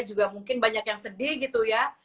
juga mungkin banyak yang sedih gitu ya